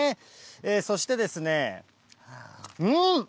そしてですね、うん！